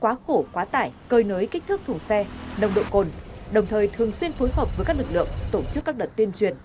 quá khổ quá tải cơi nới kích thước thùng xe nông độ cồn đồng thời thường xuyên phối hợp với các lực lượng tổ chức các đợt tuyên truyền